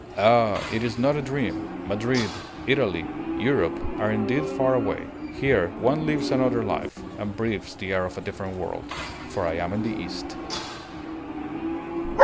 Ah! it is not a dream! Madrid, Italy, Europe, are indeed far away! Here one lives another life, and breathes the air of a different world, for I am in the East.